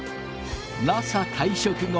ＮＡＳＡ退職後